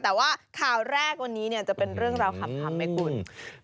แต่ว่าข่าวแรกวันนี้จะเป็นเรื่องราวขำไหมคุณ